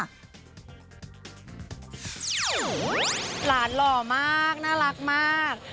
หลานหล่อมากน่ารักมาก